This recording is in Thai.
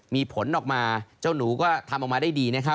มีผลออกมาเจ้าหนูก็ทำออกมาได้ดีนะครับ